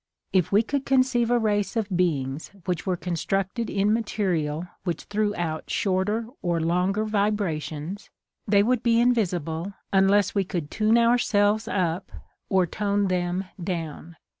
If we could conceive a race of beings which were constructed in material which threw out shorter or longer vibrations, they would be invisible unless we could tune our selves up or tone them down.